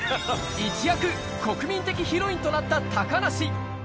一躍、国民的ヒロインとなった高梨。